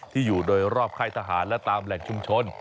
อยู่โดยรอบค่ายทหารและตามแหล่งชุมชน